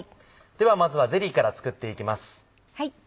ではまずはゼリーから作っていきます。